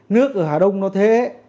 nước ở hà đông nó thế